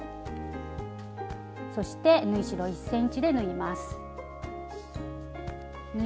そして縫い代１ｃｍで縫います。